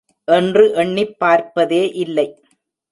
என்று எண்ணிப் பார்ப்பதே இல்லை.